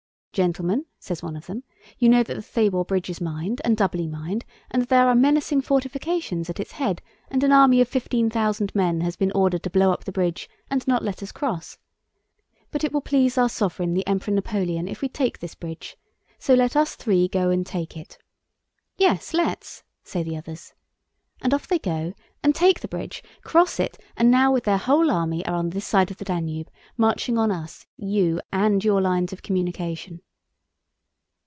'Gentlemen,' says one of them, 'you know the Thabor Bridge is mined and doubly mined and that there are menacing fortifications at its head and an army of fifteen thousand men has been ordered to blow up the bridge and not let us cross? But it will please our sovereign the Emperor Napoleon if we take this bridge, so let us three go and take it!' 'Yes, let's!' say the others. And off they go and take the bridge, cross it, and now with their whole army are on this side of the Danube, marching on us, you, and your lines of communication."